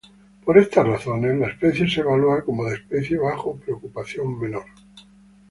Por estas razones la especie se evalúa como de especie bajo preocupación menor.